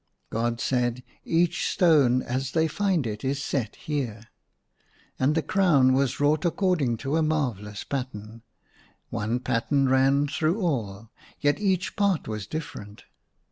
God said, " Each stone as they find it is set here." And the crown was wrought according to a marvellous pattern ; one pattern ran through all, yet each part was different.